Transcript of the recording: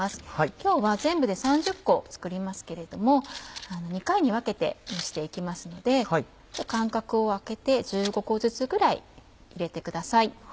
今日は全部で３０個作りますけれども２回に分けて蒸して行きますので間隔を空けて１５個ずつぐらい入れてください。